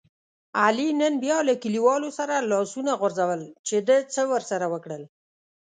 علي نن بیا له کلیوالو سره لاسونه غورځول چې ده څه ورسره وکړل.